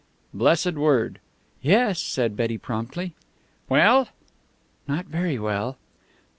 Blessed word! "Yes," said Betty promptly. "Well?" "Not very well?"